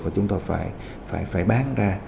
và chúng tôi phải bán ra